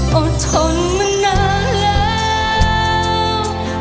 อดทนมานานแล้ว